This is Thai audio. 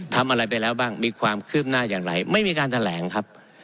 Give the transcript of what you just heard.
ทำอะไรไปแล้วบ้างมีความคืบหน้าอย่างไรไม่มีการแถลงครับ